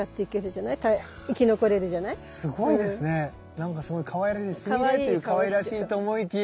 なんかすごいかわいらしいスミレっていうかわいらしいと思いきや。